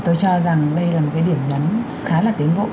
tôi cho rằng đây là một cái điểm nhắn khá là tính vụ